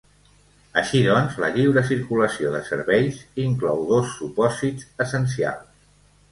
Així doncs, la lliure circulació de serveis inclou dos supòsits essencials.